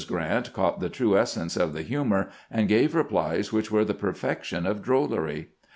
Grrant caught the true essence of the humor, and gave replies which were the perfection of droUery.